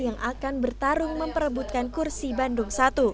yang akan bertarung memperebutkan kursi bandung satu